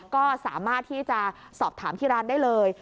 ก็สามารถที่จะสอบถามที่ร้านได้เลย